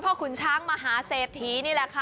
ขุนช้างมหาเศรษฐีนี่แหละค่ะ